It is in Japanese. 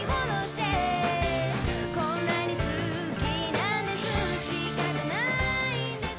「こんなに好きなんです仕方ないんです」